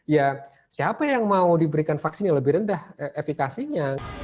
ya siapa yang mau diberikan vaksin yang lebih rendah efikasinya